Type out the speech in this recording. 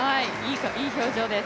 いい表情です。